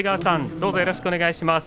よろしくお願いします。